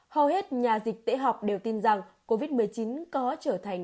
hầu hết nhà dịch tễ học đều tin rằng covid một mươi chín có trở thành